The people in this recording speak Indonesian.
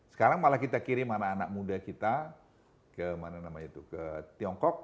sekarang malah kita kirim anak anak muda kita ke mana namanya itu ke tiongkok